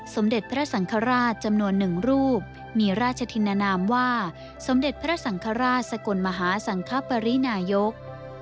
สมเด็จพระสังฆราชจำนวน๑รูปมีราชธินนามว่าสมเด็จพระสังฆราชสกลมหาสังคปรินายก